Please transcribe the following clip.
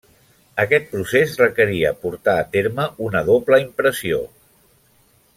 Aquest procés requeria portar a terme una doble impressió.